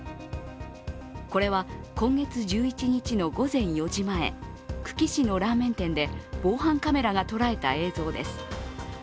これは今月１１日の午前４時前久喜市のラーメン店で防犯カメラが捉えた映像です。